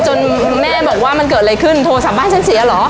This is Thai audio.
คุณแม่บอกว่ามันเกิดอะไรขึ้นโทรศัพท์บ้านฉันเสียเหรอ